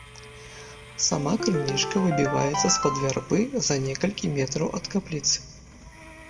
Сама крынічка выбіваецца з-пад вярбы за некалькі метраў ад капліцы.